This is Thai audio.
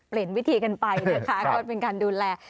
เปลี่ยนวิธีกันไปนะคะเขาเป็นการดูแล